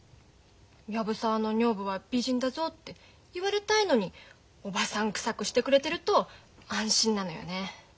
「藪沢の女房は美人だぞ」って言われたいのにおばさんくさくしてくれてると安心なのよね。